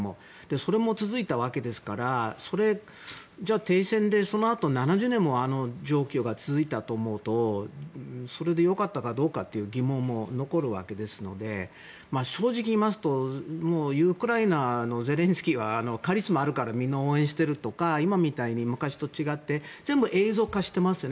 それも続いたわけですから停戦で７０年もあの状況が続いたと思うとそれで良かったかどうかという疑問も残るわけですので正直に言いますとウクライナのゼレンスキーはカリスマがあるからみんな応援しているとか今みたいに昔と違って全部映像化していますね。